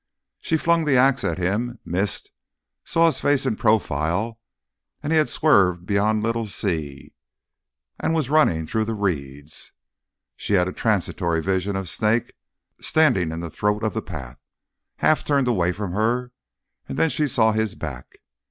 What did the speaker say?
She flung the axe at him, missed, saw his face in profile, and he had swerved beyond little Si, and was running through the reeds. She had a transitory vision of Snake standing in the throat of the path, half turned away from her, and then she saw his back.